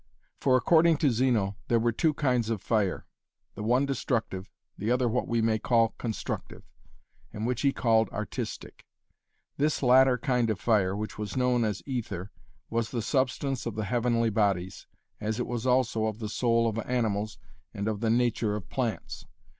For according to Zeno, there were two kinds of fire, the one destructive, the other what we may call 'constructive,' and which he called 'artistic'. This latter kind of fire, which was known as aether, was the substance of the heavenly bodies, as it was also of the soul of animals and of the 'nature' of plants.